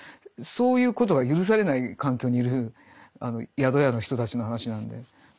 そういうことが許されない環境にいる宿屋の人たちの話なんで。